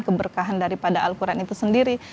keberkahan daripada al quran itu sendiri